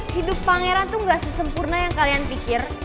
hidup pangeran tuh gak sesempurna yang kalian pikir